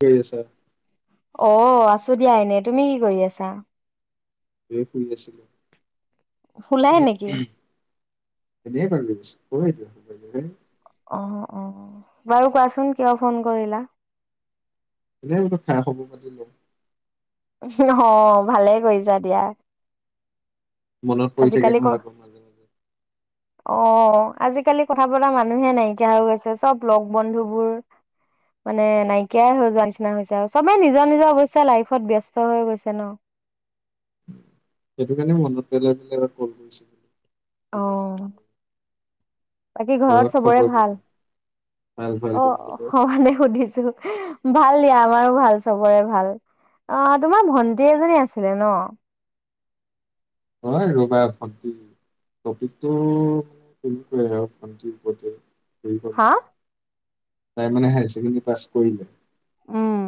কি কৰি আছা? অ আছো দিয়া এনে, তুমি কি কৰি আছা? এই শুই আছিলো। শুলাই নেকি? এনেই ভাল লাগিছে, [unintelligible] অ অ বাৰু কোৱাচোন কিয় ফোন কৰিলা? [unintelligible] খা খবৰ পাতি লওঁ। ওহো হ ভালেই কৰিছা দিয়া। মনত পৰি থাকে [unintelligible] মাজে মাজে। আহ আজিকালি কথা পতৰা মানুহে নাইকিয়া হৈ গৈছে চব লগ বন্ধুবোৰ মানে নাইকিয়াই হৈ যোৱা নিচিনা হৈছে আৰু চবেই নিজৰ নিজৰ অৱশ্যে লাইফত ব্যস্ত হৈ গৈছে ন সেইকাৰণে মনত পেলাই দিলে [inaudible] কল কৰিছে। [unintelligible] বাকী ঘৰত চবৰে ভাল? কেনে ভাল ভাল অ, তোমালোকৰ অ-মানে সুধিছো। ভাল দিয়া আমাৰো ভাল। চবৰে ভাল, অ-তোমাৰ ভন্টি এজনী আছিলে ন? অ, ৰ'বা ভণ্টি, টপিকতটো তেনেকুৱাই আৰু ভণ্টিৰ ওপৰতে। হা? [unintelligible] তাই মানে হাই ছেকেণ্ডী পাছ কৰিলে? উম।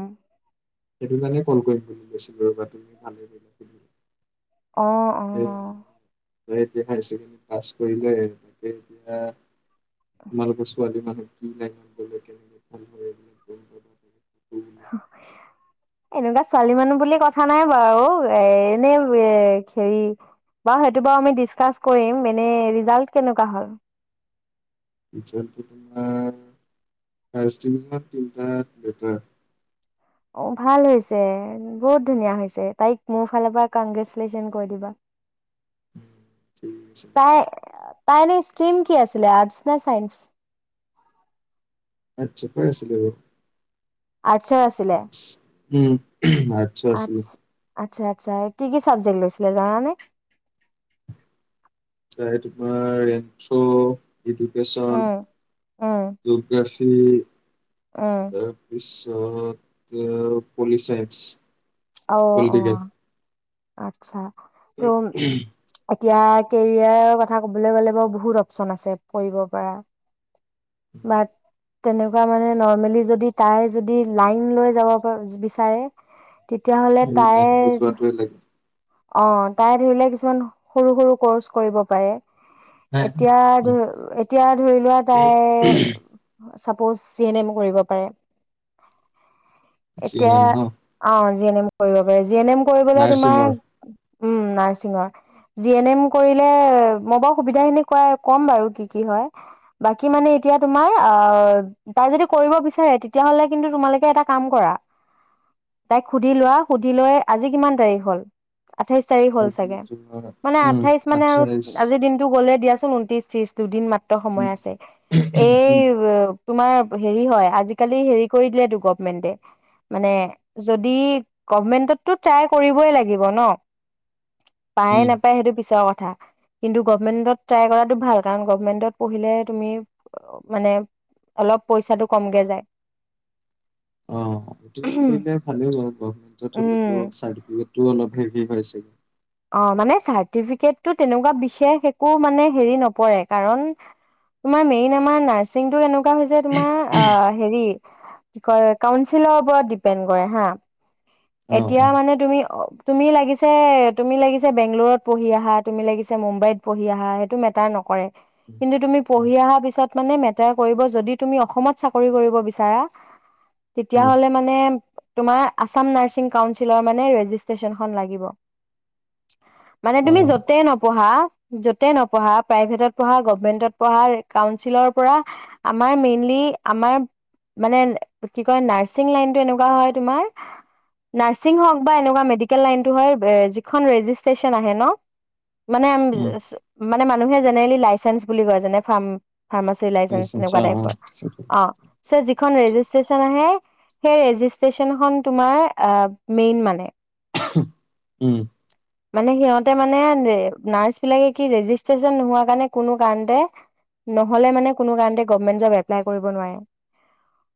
সেটু কাৰণে ক'ল কৰিম বুলি কৈছিলো ৰ'বা। তুমি ভালে কৰিলা। [unintelligible] অ', অ'। তই এতিয়া হায় ছেকেণ্ডী পাছ কৰিলে, তাকে [unintelligible] তোমালোক ছোৱালী [unintelligible] [unintelligible] এনেকুৱা ছোৱালী মানুহ বুলি কথা নাই বাৰু। এ-এনে-এ-হেৰি, বাউ সেইটো বাউ আমি ডিচকাছ কৰিম, এনে ৰিজাল্ট কেনেকুৱা হল? ৰিজাল্টো তোমাৰ, ফাৰ্ষ্ট ডিভিজন তিনটাত লেটাৰ। অ', ভাল হৈছে। বহুত ধুনীয়া হৈছে। তাইক মোৰ ফালৰ পৰা কনগ্ৰেচুলেশ্যন কৈ দিবা। তাই তাই এনে ষ্ট্ৰিম কি আছিলে, আৰ্টচ না চাইন্স? আৰ্টচতে আছিলু। আৰ্টচৰ আছিলে? উম। আৰ্টচো আছ আচ্ছা-আচ্ছা, কি কি চাবজেক্ট লৈছিলে জানানে? তাই তোমাৰ এন্ঠ্ৰ ইডুকেশ্যন, উম, উম, জোগ্ৰাফি কি উম, ইয়াৰ পিছ [unintelligible] পোলি চাইন্ঞ্চ অ', অ'। আত্ছা! [unintelligible] তিয়া, কেৰিয়াৰৰ কথা ক'বলৈ গ'লে, বহুত অপচন আছে কৰিব পাৰা। মাত তেনেকুৱা মানে, নৰ্মেলি যদি তাই যদি লাইন লৈ যাব প- বিচাৰে তেতিয়াহ'লে লাইনলৈ তাই যোৱাটোৱে লাগে। অ তাই ধৰিলে কিছুমান সৰু সৰু ক'ৰ্চ কৰিব পাৰে। এতিয়া উম, ধ এতিয়া ধৰি লোৱা তাই চাপ'জ জি এন এম কৰিব পাৰে। জি এন এতিয়া এম ন অ জি এন এম কৰিব পাৰ জি এন এম কৰিবলে তোমাৰ নাৰ্ছিঙৰ উম নাৰ্ছিঙৰ জি এন এম কৰিলে মই ব সুবিধাখিনি কম বাৰু কি কি হয় বাকী মানে এতিয়া তোমাৰ তাই যদি কৰিব বিচাৰে তেতিয়ালে কিন্তু তোমালোকে এটা কাম কৰা তাইক সুধি লোৱা সুধি লৈ আজি কিমান তাৰিখ হ'ল আঠাইছ তাৰিখ হ'ল চাগে মানে উম, আঠাইশ মানে আৰু আঠাইছ আজিৰ দিনতটো গ'লে দিয়াছ ঊত্ৰিছ, ত্ৰিশ দুদিন ম উক্ত সময় উম, আছে উম, এই তোমাৰ হেৰি হয় আজিকালি হেৰি কৰি দিলেতো গভমেন্টে মানে যদি গভমেন্টতটো ট্ৰাই কৰিবই লাগিব ন পায়ে উম। নাপায় সেইটো পিছৰ ক কিন্তু গভমেন্টত ট্ৰাই কৰাটো ভাল কাৰণ গভমেন্টত পঢ়িলে তুমি মানে অলপ পইচাটো অলপ কমকে যায়। অঁ অঁ উম, [unintelligible] পাইছে অ মানে চাৰ্টিফিকেটটোত তেনেকুৱা বিশেষ একো মানে হেৰি নপৰে কাৰণ তোমাৰ মেইন আমাৰ নাৰ্ছিঙটোৰ এনেকুৱা হৈছে তোমাৰ অ হেৰি কি কয় কাউন্সিলাৰ ওপৰত ডিপেন্ড কৰে হা অ', এতিয়া অ', মানে তুমি অ তুমি লগিছে তুমি লগিছে বেংগলোৰত পঢ়ি আহা তুমি লগিছে মুম্বাইত সেইটো মেটাৰ নকৰে উম, কিন্তু তুমি উম, পঢ়ি আহা পিছত মানে মেটাৰ কৰিব যদি তুমি অসমত চাকৰি কৰিব বিচাৰা তেতিয়া উম, হলে মানে তোমাৰ আছাম নাৰচ কাউন্সিলৰ মানে ৰেজিষ্ট্ৰেচনখন লাগিব। মানে তুমি অ', য'তেই নপ পঢ়া য'তে নপঢ়া প্ৰাইভেটত পঢ়া গভমেন্টত পঢ়া কাউন্সিলৰ পৰা আমাৰ মেইনলি আমাৰ মানে কি কয় নাৰ্ছিং লাইনটো এনেকুৱা হয় তোমাৰ নাৰ্ছিং হওঁক বা এনেকুৱা মেডিকেল লাইনটো হয় যিখন ৰেজিষ্ট্ৰচন আহে ন মানে আম উম, মানে মানুহে জেনেৰেলি লাইচেন্ঞ্চ বুলি কয় যেনে ফাৰ্ম ফাৰ্মাচী ওলাইছে আচ্ছা, আচ্ছা, তেনেকুৱা অ', টাইপৰ সেইটো অ চে জি যিখন ৰেজিষ্ট্ৰন আহে সেই ৰেজিষ্ট্ৰচন খন তোমাৰ আহ মেইন মানে উম মানে সিহঁতে মানে নাৰ্চবিলাকে কি ৰেজিষ্ট্ৰচন নোহোৱা কাৰণে কোনো কাৰণতে নহ'লে মানে কোনো কাৰণতে গভৰ্ণমেণ্ট জ'ব এপ্লাই কৰিব নোৱাৰে।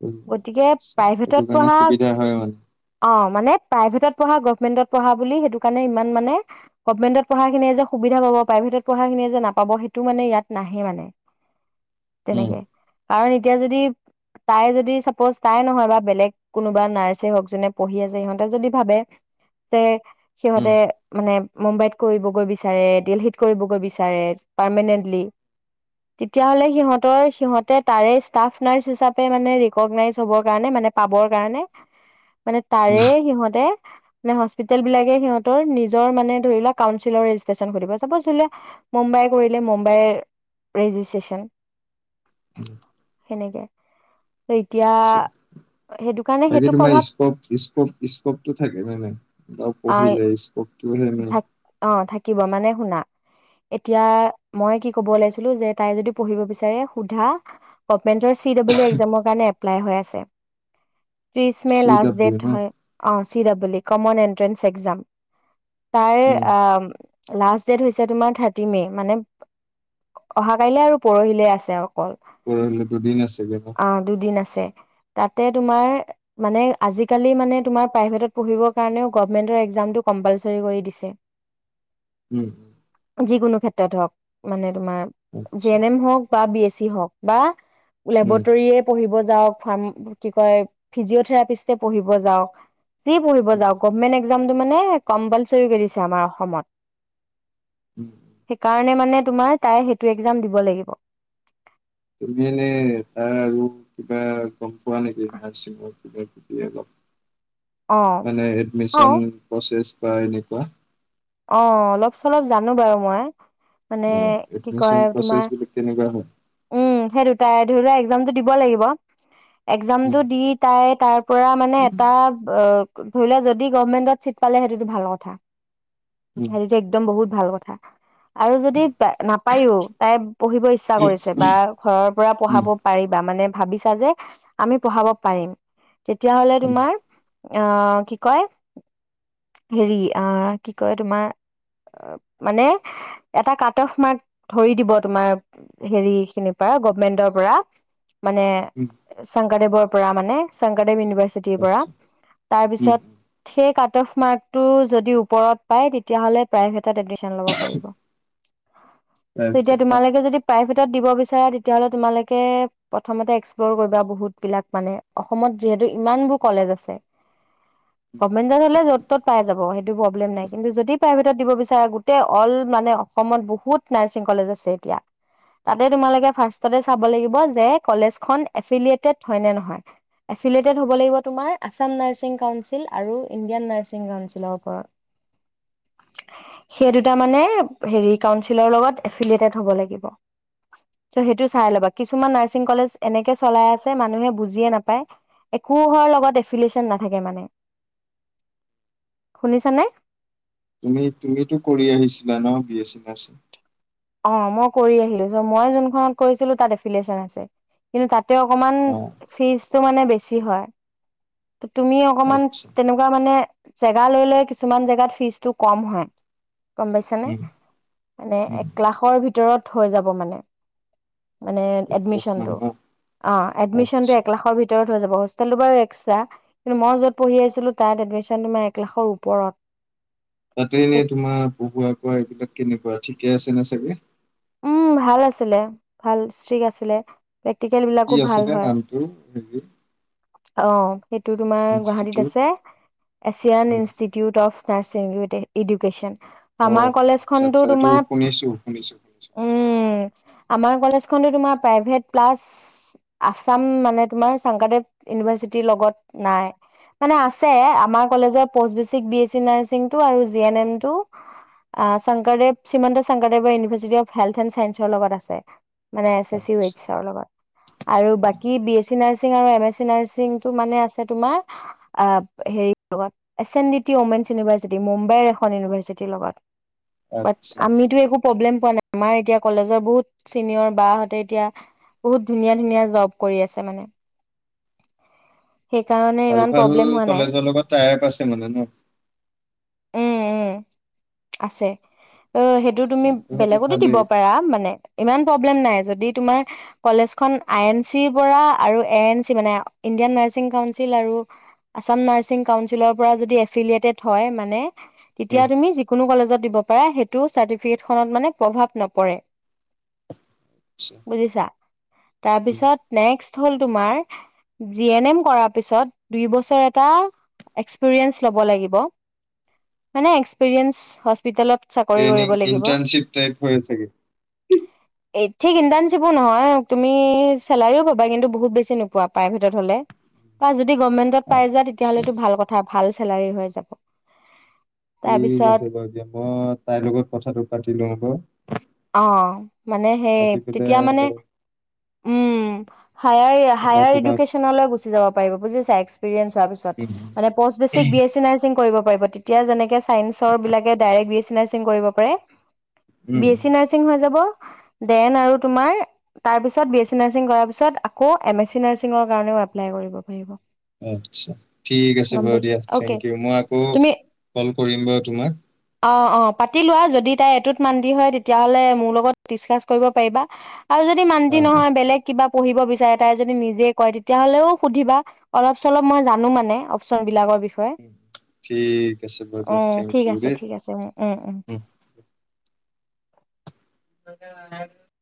উম, গতিকে আচ্ছা, সেইটো প্ৰাইভেটত কাৰণে পঢ়া সুবিধা হয় মানে। অ মানে প্ৰাইভেটত পঢ়া গভমেন্টত পঢ়া বুলি সেইটো কাৰণে মান মানে গৱৰ্ণমেন্টত খিনিয়ে যে সুবিধা পাব প্ৰাইভেটত পঢ়া খিনিয়ে যে নাপাব সেইটো মানে ইয়াত নাহে মানে। উম, তেনেকে কাৰণ এতিয়া যদি তাই যদি চাপ'জ তাই নহয় বা বেলেগ কোনোবা নাৰ্ছে হওঁক যোনে পঢ়ি আছে সিহঁতে যদি ভাবে যে সিহঁতে উম, মানে মুম্বাইত কৰিবগৈ বিচাৰে, দিল্লীত কৰিবগৈ বিচাৰে পৰ্মান্তলি। তেতিয়াহলে সিহঁতৰ সিহঁতে তাৰেই ষ্টাফ নাৰ্চ হিচাপে মানে ৰিকগনাইচ হ'ব কাৰণে মানে পাবৰ কাৰণে মানে উম, তাৰে সিহঁতে মানে হস্পিতেল বিলাকে সিহঁতৰ নিজ জৰ মানে‌ ধৰিলোৱা‌ কাউন্সেলৰ ৰেজিষ্ট্ৰন‌ সুধিব, চাপোজ‌ ধৰিলোৱা- মুম্বাই কৰিলে মুম্বাইৰ ৰেজিষ্ট্ৰন উম সেনেকে ত' [unintelligible] এতিয়া সেইটো কাৰণে বাকী সেইটো তোমাৰ প্ৰভাৱ স্পৰ্ক-স্পৰ্ক-স্পৰ্কটো থাকে নে নাই? আৰু পঢ়িলে স্পৰ্ক [unintelligible] অ‌ থাকিব। মানে শুনা, এতিয়া মই কি‌ ক'ব ওলাইছিলো যে তাই যদি পঢ়িব বিছাৰে সুধা, অপেন্তৰ সি দাবল ই একজামৰ কাৰণে অ্যাপ্লাই হৈ আছে। ত্ৰিছ মে চি লাষ্ট ডাব্লিউ ডেট ন? হয় অ C double E common entrance exam. তাইৰ উম, আ লাষ্ট ডেট হৈছে তোমাৰ থাৰ্টি মে মানে, অহা কাইলে আৰু পৰহিলে আছে আৰু। পৰহিলে দুদিন আছে [unintelligible] তাতেই তোমাৰ মানে আজিকালি মানে তোমাৰ প্ৰাইভেটত পঢ়িব কাৰণেও গভৰ্নমেন্টৰ একজামটো কম্পালসৰি। হেৰি কৰি দিছে উম যিকোনো ক্ষেত্ৰত হওক মানে তোমাৰ জে আচ্ছা, এন এম হওঁক বা বি এছ চি যি হওক বা উম, লেবৰেটৰীয়ে পঢ়িব যাওক ফাৰ্ম, কি কয় ফিজিঅথেৰাপিষ্টে পঢ়িব যাওক। যি পঢ়িব উম, যাওঁক‌ গভ্মেন এক একজামটো মানে কম্পালচৰি কৰি দিছে আমাৰ অসমত, উম, উম। সেইকাৰণে মানে তোমাৰ তাই সেইটো এক্জাম দিব লাগিব। তুমি এনে তাৰ আৰু কিবা গম পোৱা নেকি? [unintelligible] অ [unintelligible] মানে অ এডমিচন প্ৰচেছ কিবা এনেকুৱা অ', অলপ চলপ জানো বাৰু মই। মানে কি এডমিচন কয় প্ৰচেছ তোমাৰ, বিলাক কেনেকুৱা হয়? উম সেই দুটাই ধৰি লোৱা জামটো দিব লাগিব উম এক্জামটো দি তাই তাৰ পৰা মানে এটা অ ধৰি লোৱা যদি গভমেন্টত চিট পালে সেইটোতো ভাল কথা। উম সেহেতি যে একদম বহুত ভাল কথা। আৰু যদি নাপায়ো, তাই পঢ়িব ইচ্ছা কৰিছে বা ঘৰৰ পৰা পঢ়াব উম পাৰিবা, মানে ভাবিছা যে, আমি পঢ়াব পাৰিম। তেতিয়াহলে উম তোমাৰ আহ কি কয় হেৰি আহ কি কয় তোমাৰ মানে এটা কাট অফ মাৰ্ক ধৰি দিব তোমাৰ হেৰি খিনিৰ পৰা গভমেন্টৰ পৰা, মানে উম দেৱৰ পৰা মানে চঙগত দেম ইউনিভাৰ্চিটিৰ পৰা, আচ্ছা তাৰ উম পিছত, উম সেইকাত টফ মাৰ্কটো যদি ওপৰত পায় তেতিয়াহ'লে প্ৰায়হে তাত এডমিছন লব পাৰিব। এতিয়া তাৰপিছত ন তোমালোকে যদি পাই দিব বিচাৰা তেতিয়াাহলে, তোমালোকে প্ৰথমতে এক্সপ্লৰ কৰিবা বহুত বিলাক মানে। অসমত যিহেতু ইমানবোৰ কলেজ আছে। গমেণ্টত হ'লে য'ত ত'ত পাই যাব সেই পবলেম নাই কিন্তু, যদি প্ৰাইভেটত দিব বিচৰা গোটেই অল্ল মানে অসমত বহুত নাৰ্চিং কলেজ আছে এতিয়া। তাতে তোমালোকে ফাৰ্ছটতে চাব লাগিব যে- কলেজ খন এফিলিয়টেড হয় নে নহয়, এফিলিয়টেড হব লাগিব তোমাৰ আসাম নাৰ্চিং কাউঞ্চিল আৰু ইণ্ডিয়ান নাৰিং কাউঞ্চিল। সেই দুটা মানে হেৰি কাউচিলৰ লগত এফিলিয়টেড হ'ব লাগিব, চ' সেইটো চাই ল'বা। কিছুমান নাৰছিং কলেজ এনেকে চলাই আছে মানুহে বুজিয়ে নাপায়, একো লগত এফিলচন নাথাকে মানে। শুনিছানে? তুমি তুমিতো কৰি আহিছিলা ন বি এ চি নাৰ্ছ? অ মই কৰি আহিলো। চ মই যোনখনত কৰিছিলো তাত এফিলচন আছে। কিন্তু তাত তে অকমান অ ফিজ টো মানে বেছি হয়। তুমি অকমান আচ্ছা তেনেকুৱা মানে জেগা লৈ লৈ কিছুমান জেগাত ফিজটো কম হয়। গম পাইছানে? উম মানে উম এক লাখৰ ভিতৰত হৈ যাব মানে। মানে এক লাখ মান এডমিচনটো, ন? অ', এডমিচনটো আচ্ছা একলাখৰ ভিতৰত [unintelligible] হোষ্টেলটো বাৰো একছ [unintelligible] কিন্তু, মই য'ত পঢ়ি আছিলো তাত এডমিচন তোমাৰ একলাখৰ ওপৰত। তাতে এনে তোমাৰ, পহুৱা খোৱা এইবিলাক কেনেকুৱা? ঠিকে আছেনে চাগে? [unintelligible] আছিলে, ভাল স্ত্ৰীক আছিলে। প্ৰেক্টিকেল কি বিলাকো ভাল আছিলে হয়। নামটো হেৰি অ', সেইটো তোমাৰ গুৱাহাটীত ইনষ্টিটিউট? আছে, Asian um institute of nursing education. অ আমাৰ কলেজ আচ্ছা খনতো আচ্ছা এইটো তোমাৰ শুনিছো শুনিছো শুনিছো উম, আমাৰ কলেজখনটো তোমাৰ প্ৰাইভেট প্লাচ আসাম মানে তোমাৰ শংকৰদেৱ ইউনিভাৰ্চিটিৰ লগত নাই, মানে আছে আমাৰ কলেজত পচবেচিক বি এ চি নাৰ্চিংটো আৰু জি এন এনটো, আ, শংদেৱ শ্ৰীমন্ত শংকৰদেৱৰ ইউনিভাৰ্চিটি অফ হেল্থ এণ্ড চাইন্সৰ লগত আছে। মানে এছ এছ চি আচ্ছা [inaudible] লগত। আৰু বাকী বি এছ চি নাৰ্ছিং আৰু এম এছ চি নাৰ্ছিংটো মানে আছে তোমাৰ হেৰিত এচন ডিটি মেন ইউনিভাৰ্চিটি মুম্বাইৰ এখন ইউনিভাৰ্চিটিৰ লগত আচ্ছা আমিতো একো প্ৰব্লেম পোৱা নাই আমাৰ এতিয়া কলেজৰ বহুত চিনিয়ৰ বাহতে এতিয়া, বহুত ধুনীয়া ধুনীয়া জব কৰি আছে মানে। সেইকাৰণে ভাল ইমান ভাল প্ৰব্লেম হোৱা নাই কলেজৰ লগত টায়ক আছে মানে ন উ, উম আছে, অ' হেইট তু-তুমি তেনেকে হলে বেলেগতো দিব ভালেই পাৰা, মানে ইমান প্ৰ ব্লেম নাই, যদি তোমাৰ কলেজখন আই এন চিৰ পৰা আৰু এ এন চি মানে, ইণ্ডিয়ান নাৰ্ছি ৰ্ছিং কাউন্সিল আৰু আছাম নাৰ্ছিং কাউন্সিলৰ পৰা যদি এফিলিয়েটেড হয় মানে তেতিয়া উম, তুমি যিকোনো কলেজত দিব পাৰা, হেইটো চাৰ্টিফিকেট খনত মানে প্ৰভাৱ নপৰে, আচ্ছা বুজিছা? তাৰপিছত নেক্সট হ'ল তোমাৰ জি এন এম কৰা পিছত, দুইবছৰ এটা এক্সপেৰিয়েন্স ল'ব লাগিব, মানে এক্সপেৰিয়েন্স হচ ট্ৰেইনিং, ইণ্টাৰ্নশ্বিপ ট্ৰেক হয় চাগে। এই, ঠিক ইণ্টাৰ্ণশ্বিপো নহয়, তুমি চেলাৰিও পাবা, কিন্তু বহুত বেছি নোপোৱা প্ৰাইভেটত হ'লে। পাজ যদি গভৰ্ণমেণ্টত পাই যোৱা আচ্ছা তেতিয়াহ'লেটো ভাল কথা। ভাল চেলাৰী হৈ যাব ঠিক তাৰপিছত আছে বাৰু দিয়া, মই তাইৰ লগত কথাটো পাতি লওঁ বাৰু। অ, মানে হে, পাতি তেতিয়া মানে, পেলাই উম, হায়াৰ- মই হায়াৰ তোমাক ইদুকেচনলে গুচি যাব পাৰিবা বুজিছা, এক্সপেৰিয়েন্স হোৱা পিছত। উম মানে post basic um, B A C nursing কৰিব পাৰিব। তেতিয়া যেনেকে চাইন্সৰ বিলাকে direct B S C nursing কৰিব পাৰে উম। ৰ্ছিং হৈ যাব, দেন আৰু তোমাৰ, তাৰ পিছত বি এছ চি নাৰ্ছিংৰ কৰাৰ পাছত আকৌ এম এছ চি নাৰ্ছিংৰ কাৰণেও এপ্লাই কৰিব পাৰিব। আচ্ছা, ঠিক আছে গম বাৰু পাইছে দিয়া, অকে থেংক ইউ। মই আকৌ তুমি কল কৰিম বাৰু তোমাক। অ অ পাতি লোৱা যদি তাই এটোত মান্তি হয় তেতিয়া তিয়াহ'লে মোৰ লগত ডিচকাছ কৰিব পাৰিবা। আৰু যদি মান্তি অ অ, নহয়, বেলেগ কিবা পঢ়িব বিচাৰে তাই যদি নিজে কয়, তেতিয়াহ'লেও সুধিবা অলপ চলপ মই জানো মানে অপচন বিলাকৰ বিষ উ উম, ঠিক আছে বাৰু দিয়া থেংক ঠিক ইউ আছে দেই ঠিক আছে উ উম উম [inaudible]